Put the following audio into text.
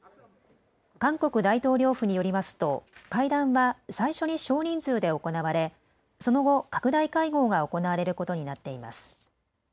韓国大統領府によりますと会談は最初に少人数で行われその後、拡大会合が行われることになっています。